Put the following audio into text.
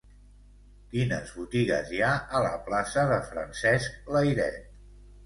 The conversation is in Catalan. Quines botigues hi ha a la plaça de Francesc Layret?